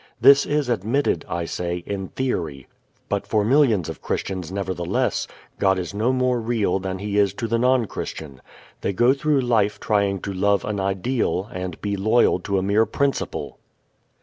This is admitted, I say, in theory, but for millions of Christians, nevertheless, God is no more real than He is to the non Christian. They go through life trying to love an ideal and be loyal to a mere principle.